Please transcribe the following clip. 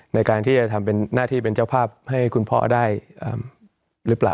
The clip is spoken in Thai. ในการที่จะทำเป็นหน้าที่เป็นเจ้าภาพให้คุณพ่อได้หรือเปล่า